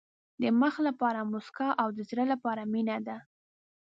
د مخ لپاره موسکا او د زړه لپاره مینه ده.